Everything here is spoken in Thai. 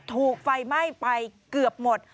ถูกไฟไหม้ไปเกือบหมด